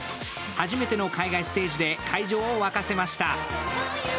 初めての海外ステージで会場を沸かせました。